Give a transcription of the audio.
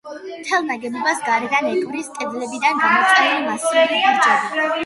მთელ ნაგებობას გარედან ეკვრის კედლებიდან გამოწეული მასიური ბურჯები.